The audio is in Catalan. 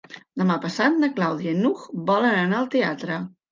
Demà passat na Clàudia i n'Hug volen anar al teatre.